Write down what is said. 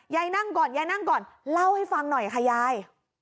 นั่งก่อนยายนั่งก่อนเล่าให้ฟังหน่อยค่ะยาย